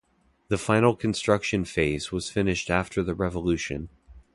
The final construction phase was finished after the revolution.